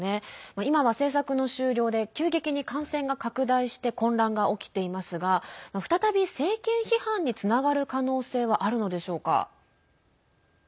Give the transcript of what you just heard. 今は政策の終了で急激に感染が拡大して混乱が起きていますが再び政権批判につながる可能性はあるのでしょうか。